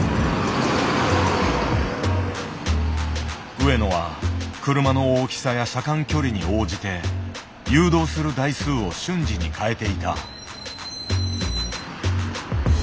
上野は車の大きさや車間距離に応じて誘導する台数を瞬時に変えていた。